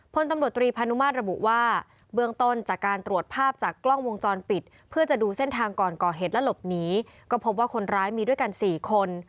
พลตำรวจตรีพานุมาตรระบุว่าเบื้องต้นจากการตรวจภาพจากกล้องวงจรปิดเพื่อจะดูเส้นทางก่อนก่อเหตุและหลบหนีก็พบว่าคนร้ายมีด้วยกัน๔คน